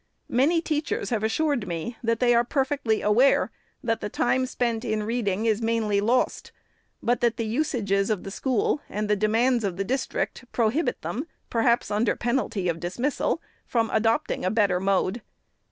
Many teachers have assured me that they are perfectly aware that the time spent in reading is mainly lost ; but that the usages of the school and the demands of the district prohibit them — perhaps under penalty of dismission — from adopt ing a better mode.